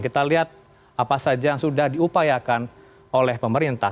kita lihat apa saja yang sudah diupayakan oleh pemerintah